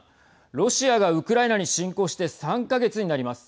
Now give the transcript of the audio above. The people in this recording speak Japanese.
ロシアがウクライナに侵攻して３か月になります。